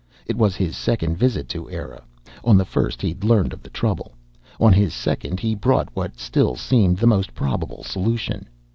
It was his second visit to Eire. On the first he'd learned of the trouble. On his second he brought what still seemed the most probable solution.